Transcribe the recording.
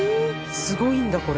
すごいんだこれ。